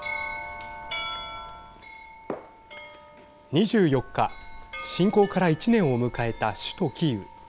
２４日、侵攻から１年を迎えた首都キーウ。